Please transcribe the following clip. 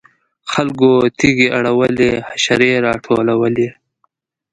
خلکو تیږې اړولې حشرې راټولولې.